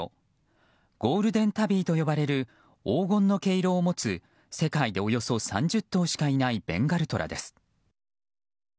ゴールデンタビーと呼ばれる黄金の毛色を持つ世界でおよそ３０頭しかいないベンガルトラです。